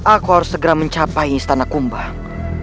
aku harus segera mencapai istana kumbang